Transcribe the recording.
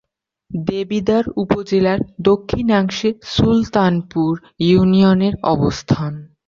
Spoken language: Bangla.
দেবিদ্বার উপজেলার দক্ষিণাংশে সুলতানপুর ইউনিয়নের অবস্থান।